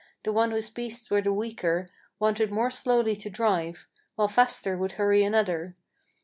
The one whose beasts were the weaker, Wanted more slowly to drive, while faster would hurry another.